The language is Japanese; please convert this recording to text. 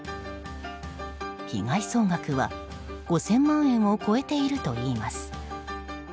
被害総額は５０００万円を超えているといいます。